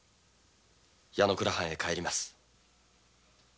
矢之倉藩へ帰ります。